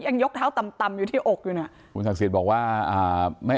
ยังยกเท้าต่ำต่ำอยู่ที่อกอยู่น่ะคุณศักดิ์สิทธิ์บอกว่าอ่าไม่